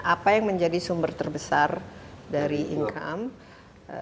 apa yang menjadi sumber terbesar dari income